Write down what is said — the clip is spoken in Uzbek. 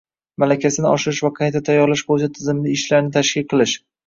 malakasini oshirish va qayta tayyorlash bo‘yicha tizimli ishlarni tashkil qilish.